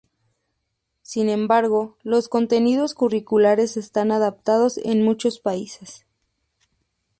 Sin embargo, los contenidos curriculares están adaptados en muchos países.